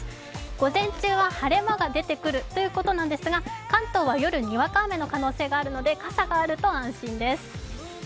午前中は晴れ間が出てくるということなんですが関東は夜、にわか雨の可能性があるので傘があると安心です。